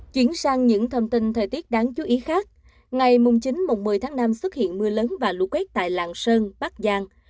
chuyển sang những thông tin thời tiết đáng chú ý khác ngày chín một mươi tháng năm xuất hiện mưa lớn và lũ quét tại lạng sơn bắc giang